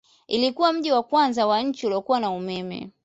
Ilikuwa mji wa kwanza wa nchi uliokuwa na umeme.